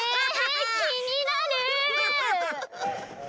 きになる！